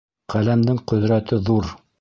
Ҡәләмдең ҡөҙрәте ҙур.